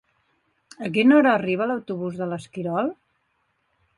A quina hora arriba l'autobús de l'Esquirol?